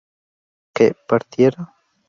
¿que partiera?